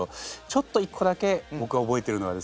ちょっと一個だけ僕が覚えてるのはですね